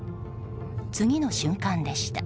次の瞬間でした。